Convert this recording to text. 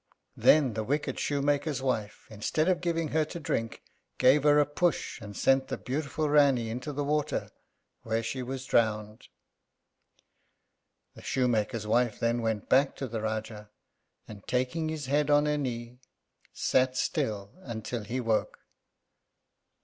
Then the wicked shoemaker's wife, instead of giving her to drink, gave her a push and sent the beautiful Rání into the water, where she was drowned. The shoemaker's wife then went back to the Rájá, and, taking his head on her knee, sat still until he woke.